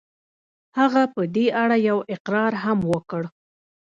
هغه په دې اړه يو اقرار هم وکړ.